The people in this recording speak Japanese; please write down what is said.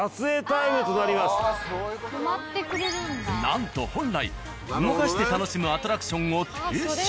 なんと本来動かして楽しむアトラクションを停止。